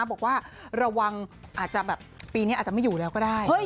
บอกว่าระวังอาจจะแบบปีนี้อาจจะไม่อยู่แล้วก็ได้